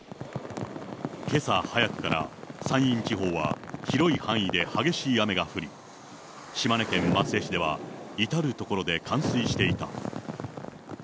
けさ早くから山陰地方は広い範囲で激しい雨が降り、島根県松江市では、至る所で冠水していた。